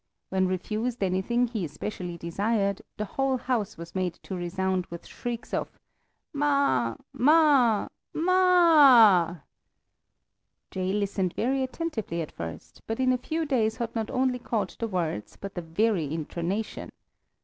When refused anything he especially desired, the whole house was made to resound with shrieks of: "Ma, ma, ma a a a!" Jay listened very attentively at first, but in a few days had not only caught the words but the very intonation.